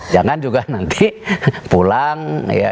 jangan juga nanti pulang ya